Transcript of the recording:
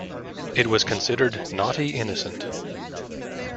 It was considered naughty innocence.